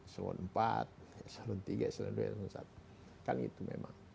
selon empat selon tiga selon dua selon satu kan itu memang